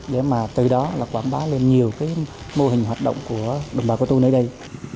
để mà từ đó quảng bá lên nhiều mô hình hoạt động của đồng bào cơ tu nơi đây